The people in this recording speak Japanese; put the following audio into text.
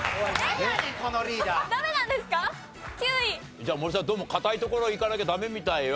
じゃあ森さんどうも堅いところいかなきゃダメみたいよ。